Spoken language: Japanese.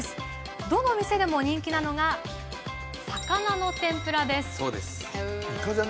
どの店でも人気なのが魚の天ぷらです。